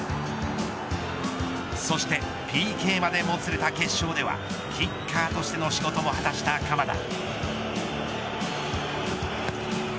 そしてＰＫまでもつれた決勝ではキッカーとしての仕事も果たした鎌田。